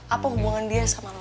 apa hubungan dia sama mama